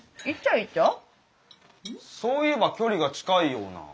そういえば距離が近いような。